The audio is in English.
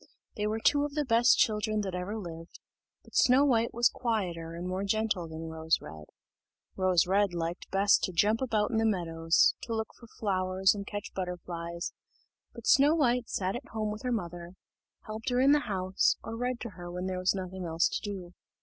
They were two of the best children that ever lived; but Snow white was quieter and more gentle than Rose red. Rose red liked best to jump about in the meadows, to look for flowers and catch butterflies; but Snow white sat at home with her mother, helped her in the house, or read to her when there was nothing else to do.